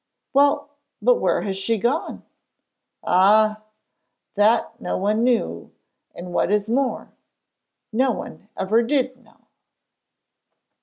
'Well, but where has she gone?' Ah! that no one knew and what is more, no one ever did know!